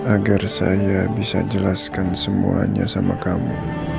agar saya bisa jelaskan semuanya sama kamu